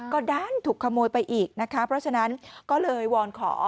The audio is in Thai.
ก็ด้านถูกขโมยไปอีกนะคะเพราะฉะนั้นก็เลยวอนขอ